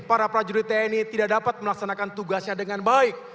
para prajurit tni tidak dapat melaksanakan tugasnya dengan baik